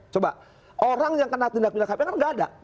coba orang yang kena tindak tindak lhkpn kan tidak ada